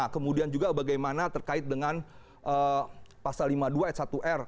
kemudian juga bagaimana terkait dengan pasal lima puluh dua s satu r